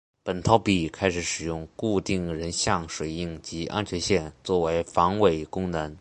本套币开始使用固定人像水印及安全线作为防伪功能。